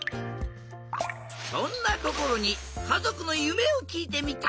そんなこころにかぞくのゆめをきいてみた！